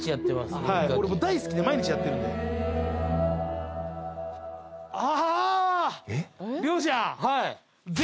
耳かき俺もう大好きで毎日やってるんであ！